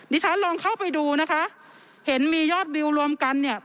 ดิฉันลองเข้าไปดูนะคะเห็นมียอดวิวรวมกันเนี่ย